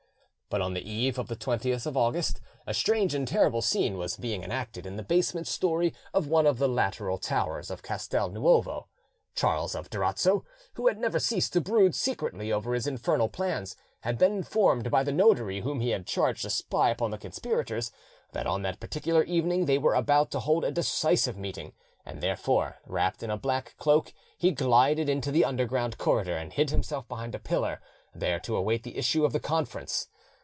But on the eve of the 20th of August a strange and terrible scene was being enacted in the basement storey of one of the lateral towers of Castel Nuovo. Charles of Durazzo, who had never ceased to brood secretly over his infernal plans, had been informed by the notary whom he had charged to spy upon the conspirators, that on that particular evening they were about to hold a decisive meeting, and therefore, wrapped in a black cloak, he glided into the underground corridor and hid himself behind a pillar, there to await the issue of the conference.